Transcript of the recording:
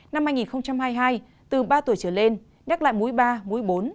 năm hai nghìn hai mươi hai từ ba tuổi trở lên nhắc lại mũi ba mũi bốn